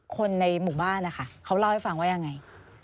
คนในหมู่บ้านนะคะเขาเล่าให้ฟังว่ายังไง